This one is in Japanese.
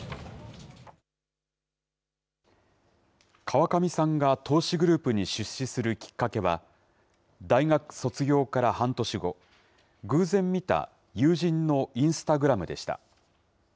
川上さんが投資グループに出資するきっかけは、大学卒業から半年後、偶然見た友人のインスタグラムでした。